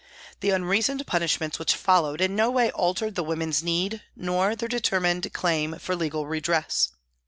The un reasoned punishments which followed in no way altered the women's need nor their determined claim for legal redress.